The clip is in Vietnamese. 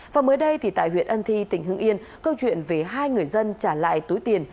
và mới đây thì tại huyện ân thi tỉnh hưng yên câu chuyện về hai người dân trả lại túi tiền